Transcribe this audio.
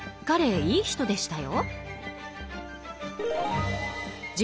彼もいい人でしたよ。